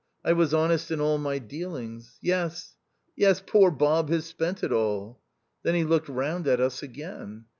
I was honest in all my dealings. Yes, yes ; poor Bob has spent it all." Then he looked round at us again.